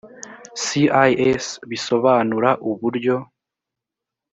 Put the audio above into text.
cis bisobanura uburyo